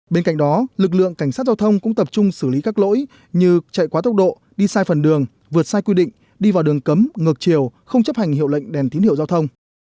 bên cạnh đó lực lượng cảnh sát giao thông cũng tập trung xử lý các lỗi như chạy quá tốc độ đi sai phần đường vượt sai quy định đi vào đường cấm ngược chiều không chấp hành hiệu lệnh đèn tín hiệu giao thông